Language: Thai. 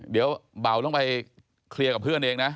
เดี๋ยวเบาต้องไปเคลียร์กับเพื่อนเองนะ